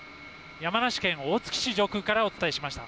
山梨県大月市上空からお伝えしました。